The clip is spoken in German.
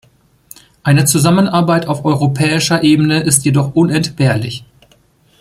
Eine Zusammenarbeit auf europäischer Ebene ist jedoch unentbehrlich.